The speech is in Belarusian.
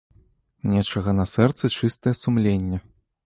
Нечага на сэрцы чыстае сумленне.